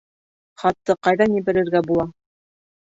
Хатты ҡайҙан ебәрергә була?